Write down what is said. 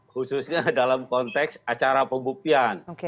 khususnya dalam konteks acara pembuktian